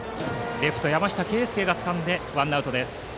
レフトの山下がつかんでワンアウト。